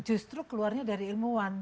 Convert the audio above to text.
justru keluarnya dari ilmuwan